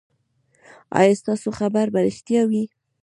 ایا ستاسو خبر به ریښتیا وي؟